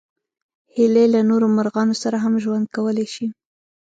هیلۍ له نورو مرغانو سره هم ژوند کولی شي